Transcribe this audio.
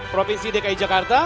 provinsi dki jakarta